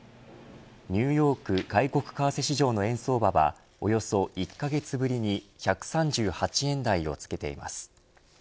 ニューヨーク外国為替市場の円相場はおよそ１カ月ぶりに１３８円台をつけています。